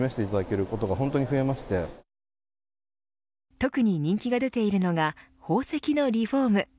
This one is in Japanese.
特に人気が出ているのが宝石のリフォーム。